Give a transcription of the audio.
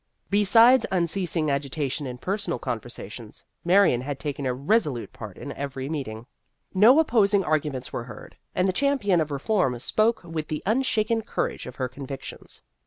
Besides unceasing agitation in personal conversations, Marion had taken a resolute part in every meeting. No opposing arguments were heard, and the champion of reform spoke with the un shaken courage of her convictions.